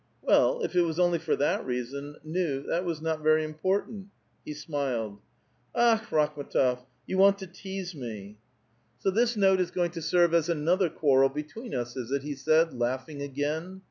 " Well, if it was only for that reason, nu, that was not very imi)ortfint." He smiled. " Akh, Rakhm^tof , you want to tease me !" A VITAL QUESTION, 305 ^^ So this note is going to serve as another quarrel between us, is it?" he said, laughing again.